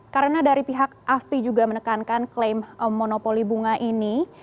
karena dari pihak afpi juga menekankan klaim monopoli bunga ini